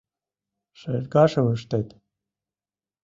— Шергашым ыштет.